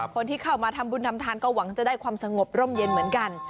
คนที่เข้ามาทำบุญทำทานก็หวังจะได้ความสงบร่มเย็นเหมือนกัน